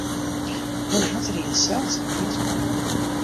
Men hat der jinsels it meast mei.